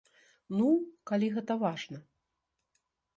Ну, калі гэта важна.